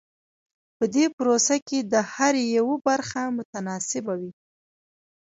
په دې پروسه کې د هر یوه برخه متناسبه وي.